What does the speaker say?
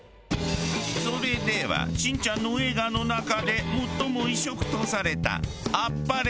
それでは『しんちゃん』の映画の中で最も異色とされた『アッパレ！